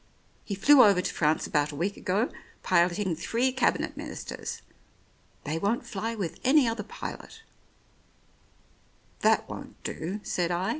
He flew over to France about a week ago, piloting three Cabinet Ministers. They won't fly with any other pilot " "That won't do," said I.